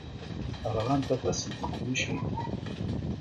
Ṛɣant aṭas n teqbucin.